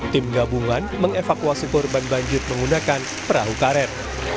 tim gabungan mengevakuasi korban banjir menggunakan perahu karet